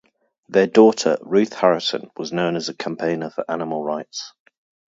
Their daughter Ruth Harrison was known as a campaigner for animal rights.